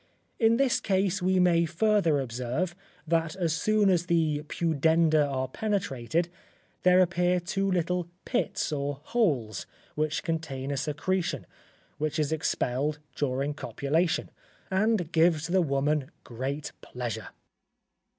In this case, we may further observe, that as soon as the pudenda are penetrated, there appear two little pits or holes which contain a secretion, which is expelled during copulation, and gives the woman great pleasure.